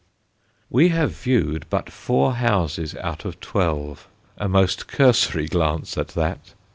We have viewed but four houses out of twelve, a most cursory glance at that!